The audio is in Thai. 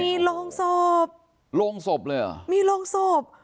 มีโรงสบโรงสบเลยเหรอมีโรงสบ